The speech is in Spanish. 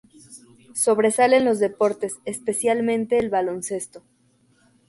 Sobresale en los deportes, especialmente el baloncesto.